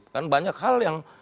kan banyak hal yang